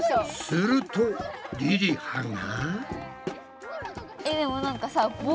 するとりりはが。